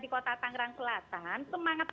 di kota tangerang selatan semangat